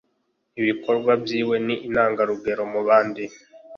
ibikorwa byiwe ni intangarugero mu bandi